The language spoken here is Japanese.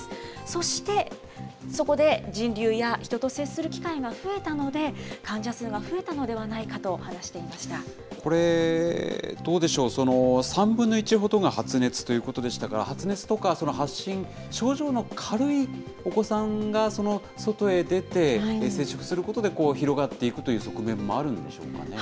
そして、そこで人流や人と接する機会が増えたので、患者数が増えたのではこれ、どうでしょう、３分の１ほどが発熱ということでしたが、発熱とか、発疹、症状の軽いお子さんが、外へ出て、接触することで、広がっていくという側面もあるんでしょうかね。